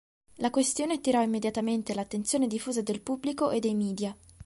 La questione attirò immediatamente l'attenzione diffusa del pubblico e dei media.